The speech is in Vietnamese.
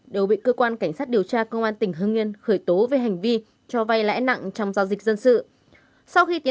đều bị cơ quan cảnh sát điều tra công an tỉnh hưng yên khởi tố về hành vi cho vay lãi nặng trong giao dịch dân sự tiến